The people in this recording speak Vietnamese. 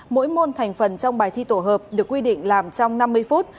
mỗi môn thành phần trong bài thi tổ hợp được quy định làm trong năm mươi phút